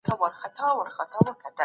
پاکې اوبه د روغتیا لپاره خورا اړینې دي.